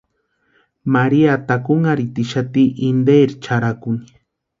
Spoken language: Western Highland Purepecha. María takunharhitixati interi charhakuni.